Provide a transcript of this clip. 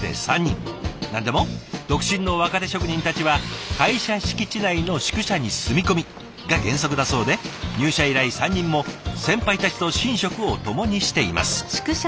何でも独身の若手職人たちは会社敷地内の宿舎に住み込みが原則だそうで入社以来３人も先輩たちと寝食を共にしています。